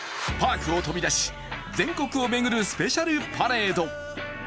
パークを飛び出し全国を巡るスペシャルパレード。